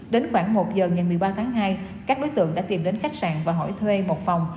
đến khoảng một giờ ngày một mươi ba tháng hai các đối tượng đã tìm đến khách sạn và hỏi thuê một phòng